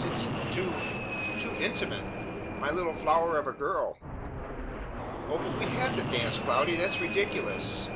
It's too too intimate! My little flower of a girl!" "Oh, but we have to dance, Cloudy; that's ridiculous!